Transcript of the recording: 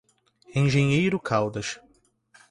Engenheiro Caldas